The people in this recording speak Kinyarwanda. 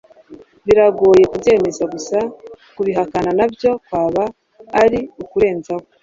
biragoye kubyemeza gusa kubihakana nabyo kwaba ari ukurenzaho